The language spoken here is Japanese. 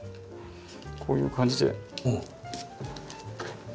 こういう感じで。